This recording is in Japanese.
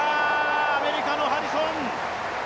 アメリカのハリソン。